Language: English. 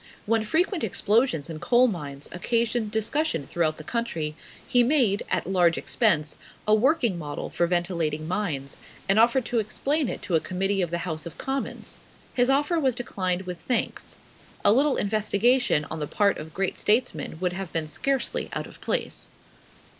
When frequent explosions in coal mines occasioned discussion throughout the country, he made, at large expense, a working model for ventilating mines, and offered to explain it to a committee of the House of Commons. His offer was declined with thanks. A little investigation on the part of great statesmen would have been scarcely out of place.